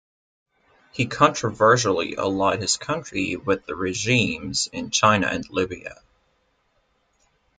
He controversially allied his country with the regimes in China and Libya.